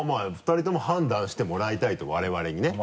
２人とも判断してもらいたいと我々にね。